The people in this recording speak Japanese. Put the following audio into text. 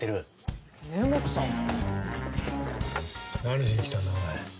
何しに来たんだお前。